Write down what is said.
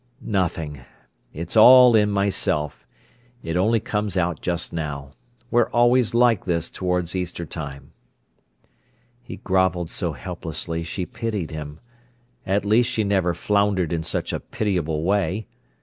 "Nothing—it's all in myself—it only comes out just now. We're always like this towards Easter time." He grovelled so helplessly, she pitied him. At least she never floundered in such a pitiable way.